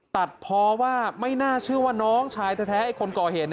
ตัดเพราะว่าไม่น่าเชื่อว่าน้องชายแท้คนก่อเหตุ